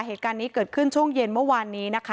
เหตุการณ์นี้เกิดขึ้นช่วงเย็นเมื่อวานนี้นะคะ